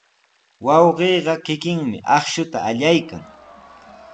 Wawqiiqa kikinmi akshuta allaykan.